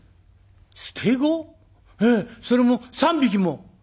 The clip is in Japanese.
「ええそれも３匹も」。